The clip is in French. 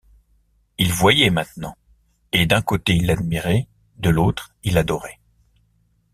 Il voyait maintenant ; et d’un côté il admirait, de l’autre il adorait.